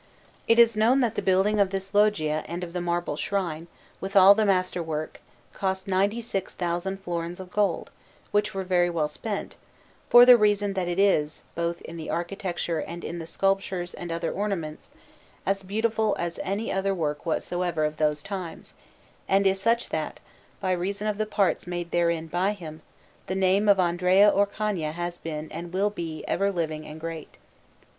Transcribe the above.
It is known that the building of this Loggia and of the marble shrine, with all the master work, cost ninety six thousand florins of gold, which were very well spent, for the reason that it is, both in the architecture and in the sculptures and other ornaments, as beautiful as any other work whatsoever of those times, and is such that, by reason of the parts made therein by him, the name of Andrea Orcagna has been and will be ever living and great.